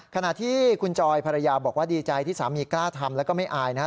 ขณะที่คุณจอยภรรยาบอกว่าดีใจที่สามีกล้าทำแล้วก็ไม่อายนะครับ